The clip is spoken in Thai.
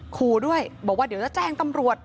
ขู่ด้วยบอกว่าเดี๋ยวจะแจ้งตำรวจ